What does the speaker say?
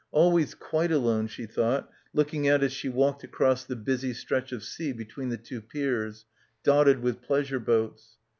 Always quite alone, she thought, looking out as she walked across the busy stretch of sea between the two piers, dotted with pleasure boats.